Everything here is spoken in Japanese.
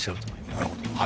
なるほど。